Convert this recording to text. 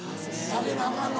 あげなアカンの？